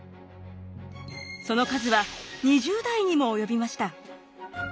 その数は２０台にも及びました。